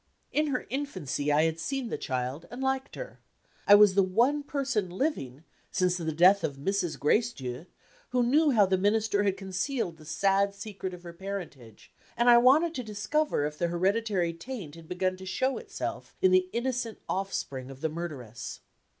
In her infancy I had seen the child, and liked her; I was the one person living (since the death of Mrs. Gracedieu) who knew how the Minister had concealed the sad secret of her parentage; and I wanted to discover if the hereditary taint had begun to show itself in the innocent offspring of the murderess.